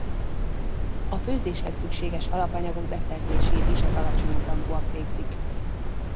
A főzéshez szükséges alapanyagok beszerzését is az alacsonyabb rangúak végzik.